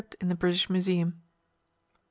in the British Museum_.